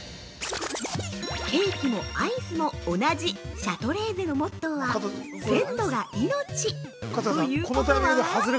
ケーキもアイスも同じシャトレーゼのモットーは「鮮度が命」ということは？